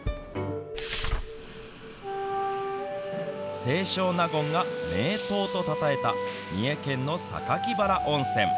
清少納言が名湯とたたえた三重県の榊原温泉。